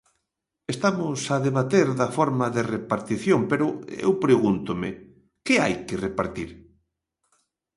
Estamos a debater da forma de repartición, pero eu pregúntome: ¿que hai que repartir?